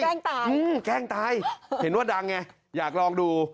ตายอืมแกล้งตายเห็นว่าดังไงอยากลองดู